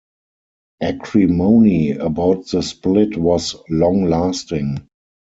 Acrimony about the split was long-lasting.